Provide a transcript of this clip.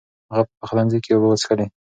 هغه په پخلنځي کې اوبه وڅښلې.